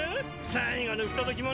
最後の不届き者